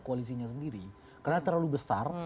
koalisinya sendiri karena terlalu besar